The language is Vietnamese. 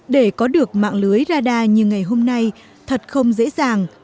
để có được mạng lưới radar như ngày hôm nay thật không dễ dàng